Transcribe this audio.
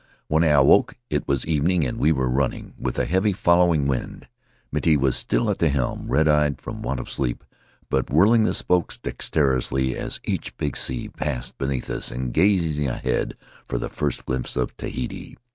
When I awoke it was evening and we were running, with a heavy following wind. Miti was still at the helm; red eyed from want of sleep, but whirling the spokes dexterously as each big sea passed beneath us and gazing ahead for the first glimpse of Tahiti.